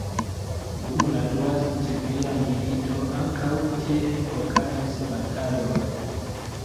Dum la dua civila milito ankaŭ tie okazis bataloj.